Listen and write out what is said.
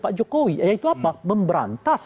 pak jokowi yaitu apa memberantas